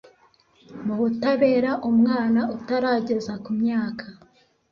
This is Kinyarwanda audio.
Mu butabera umwana utarageza ku myaka